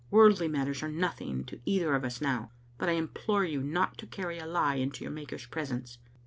Worldly matters are nothing to either of us now, but I implore you not to carry a lie into your Maker's presence."